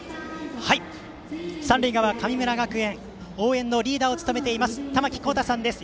三塁側、神村学園応援のリーダーを務めていますたまきこうたさんです。